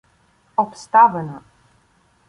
Обставина